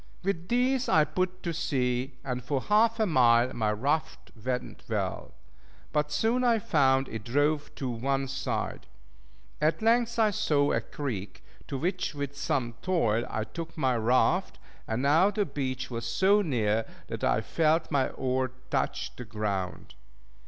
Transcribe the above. With these I put to sea, and for half a mile my raft went well; but soon I found it drove to one side. At length I saw a creek, to which, with some toil, I took my raft; and now the beach was so near, that I felt my oar touch the ground.